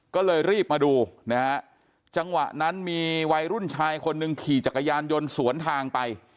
ก็เลยรีบมาดูนะฮะจังหวะนั้นมีวัยรุ่นชายคนหนึ่งขี่จักรยานยนต์สวนทางไป